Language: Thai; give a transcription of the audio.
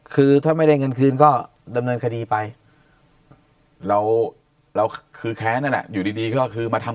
คือถ้าไม่ได้เงินคืนก็ดำเนินคดีไปเราเราคือแค้นนั่นแหละอยู่ดีดีก็คือมาทำ